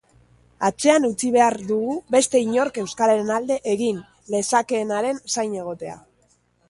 Atzean utzi behar dugu beste inork euskararen alde egin lezakeenaren zain egotea.